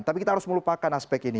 tapi kita harus melupakan aspek ini